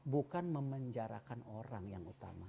bukan memenjarakan orang yang utama